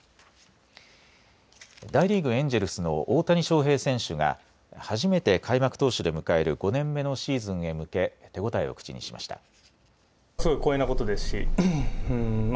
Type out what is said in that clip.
大リーグ、エンジェルスの大谷翔平選手が初めて開幕投手で迎える５年目のシーズンへ向け手応えを口にしました。